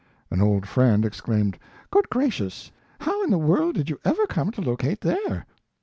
An old friend exclaimed, "Good gracious! How in the world did you ever come to locate there?"